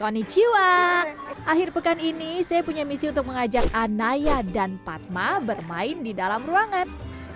koni jiwa akhir pekan ini saya punya misi untuk mengajak anaya dan padma bermain di dalam ruangan